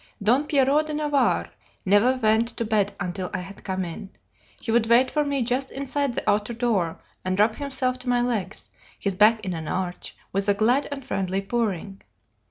"Don Pierrot de Navarre never went to bed until I had come in. He would wait for me just inside the outer door and rub himself to my legs, his back in an arch, with a glad and friendly purring.